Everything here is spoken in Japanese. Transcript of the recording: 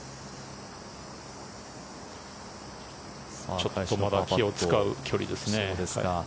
ちょっとまだ気を遣う距離ですね。